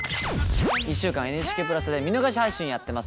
１週間ＮＨＫプラスで見逃し配信やってます。